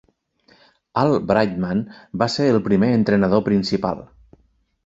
Al Brightman va ser el primer entrenador principal.